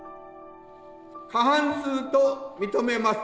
過半数と認めます。